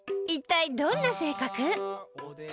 一体どんな性格？